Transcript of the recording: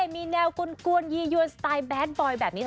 มีแนวกุนกวนยี่ยวนสไตล์แบทบอยแบบนี้